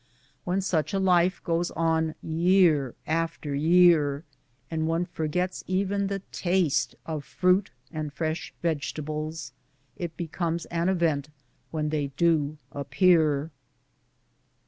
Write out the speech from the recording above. When such a life goes on year after year, and one forgets even the taste of fruit and fresh vegetables, it becomes an event when they do appear.